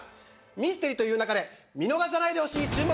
ミステリと言う勿れ見逃さないでほしい注目